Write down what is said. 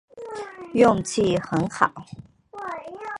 运气很好